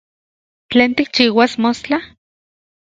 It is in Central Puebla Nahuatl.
¿Tlen tikchiuas mostla?